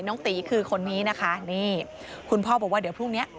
ตีคือคนนี้นะคะนี่คุณพ่อบอกว่าเดี๋ยวพรุ่งเนี้ย